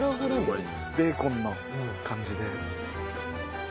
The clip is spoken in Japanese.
ベーコンの感じで。